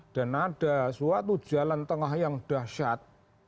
dan ada suatu jalan tengah yang dahsyat